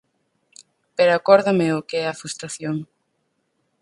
Pero acórdame o que é a frustración.